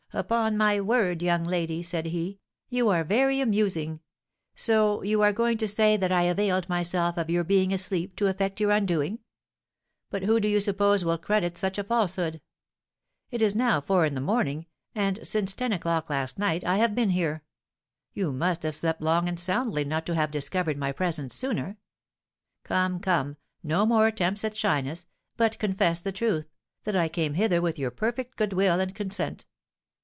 'Upon my word, young lady,' said he, 'you are very amusing. So you are going to say that I availed myself of your being asleep to effect your undoing. But who do you suppose will credit such a falsehood? It is now four in the morning, and since ten o'clock last night I have been here. You must have slept long and soundly not to have discovered my presence sooner. Come, come, no more attempts at shyness, but confess the truth, that I came hither with your perfect good will and consent.